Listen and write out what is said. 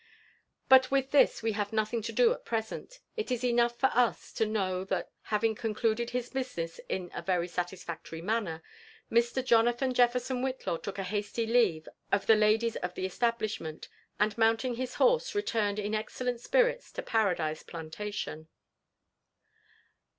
But with this we have nothing to do at present : it is enough for us to know, that having concluded his business in a very satisfactory manner, Mr. Jonathan Jeflerson Whitlaw took a hasty leave of the ladies of the establishment, and mounting his horse, returned in excellent spirits to Paradise Plantation.